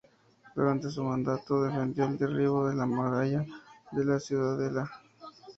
Durante su mandato defendió el derribo de las murallas de la Ciudadela.